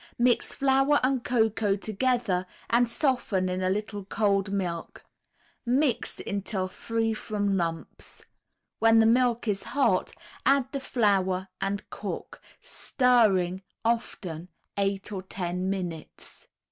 Mix flour and cocoa together and soften in a little cold milk; mix until free from lumps. When the milk is hot, add the flour, and cook, stirring often, eight or ten minutes.